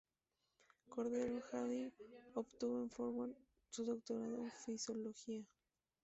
Cordero Hardy obtuvo en Fordham, su doctorado en fisiología.